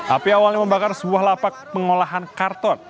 api awalnya membakar sebuah lapak pengolahan karton